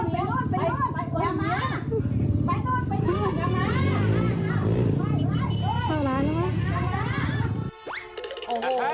เร็วนี่มันยากหนีอยู่ตรงนี้ไปโล่นอย่ามา